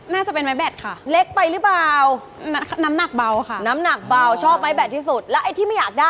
น่าจะเป็นไม้แบตค่ะ